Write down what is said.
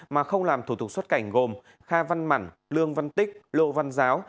mà không làm thủ tục xuất cảnh gồm kha văn mẳn lương văn tích lô văn giáo